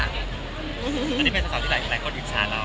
อันนี้เป็นสาวที่หลายคนอิจฉาเรา